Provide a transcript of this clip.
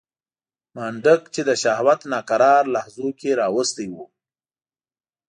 منډک چې د شهوت ناکرار لحظو کې راوستی و.